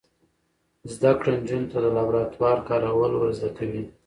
زده کړه نجونو ته د لابراتوار کارول ور زده کوي.